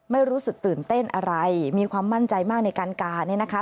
ไม่รู้สึกตื่นเต้นอะไรมีความมั่นใจมากในการกาเนี่ยนะคะ